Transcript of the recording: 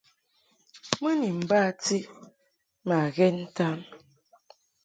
Mɨ ni bati ma ghɛn ntan.